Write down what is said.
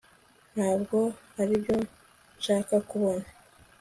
ntabwo aribyo nshaka kubona